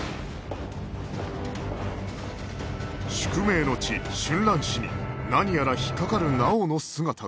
宿命の地春蘭市に何やら引っかかる直央の姿が